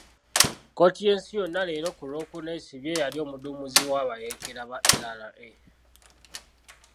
Kkooti y'ensi yonna leero ku Lwokuna esibye eyali omuduumizi w'abayeekera ba LRA .